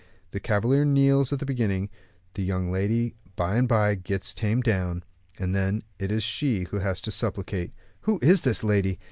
The cavalier kneels at the beginning, the young lady by and by gets tamed down, and then it is she who has to supplicate. Who is this lady?